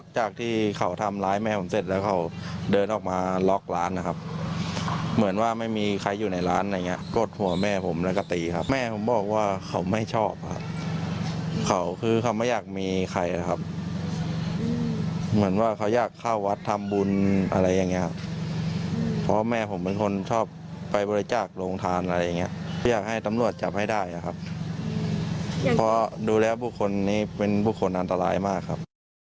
จับให้ได้ครับเพราะดูแลผู้คนนี้เป็นผู้คนอันตรายมากครับ